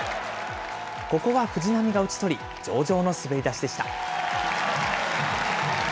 ここは藤浪が打ち取り、上々の滑り出しでした。